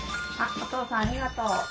お父さんありがとう。